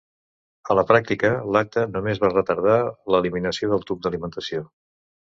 A la pràctica, lacte només va retardar l'eliminació del tub d'alimentació.